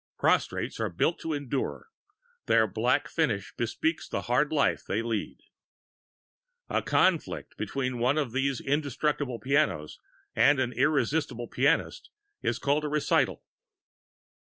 Prostrates are built for endurance. Their black finish bespeaks the hard life they lead. A conflict between one of these indestructible pianos and an irresistible pianist is called a recital.